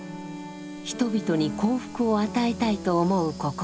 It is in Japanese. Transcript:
人々に幸福を与えたいと思う心。